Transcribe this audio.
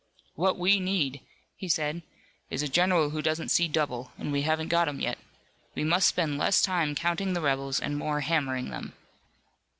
"What we need," he said, "is a general who doesn't see double, and we haven't got him yet. We must spend less time counting the rebels and more hammering them."